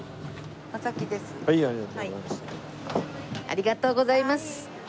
ありがとうございます。